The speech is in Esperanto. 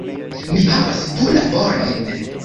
Mi havas du laborojn